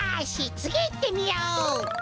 つぎいってみよう！